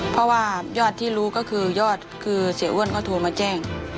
เพราะว่ายอดที่รู้ก็คือยอดคือเสียอ้วนเขาโทรมาแจ้ง